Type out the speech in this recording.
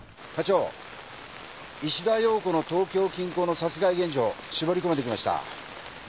課長石田洋子の東京近郊の殺害現場絞り込めてきました。